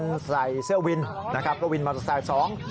คนใส่เสื้อวินนะครับก็วินมาตรศัตริย์สอง